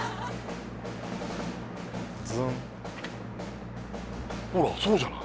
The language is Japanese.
ズンほらそうじゃない？